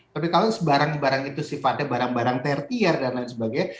tapi kalau barang barang itu sifatnya barang barang tertier dan lain sebagainya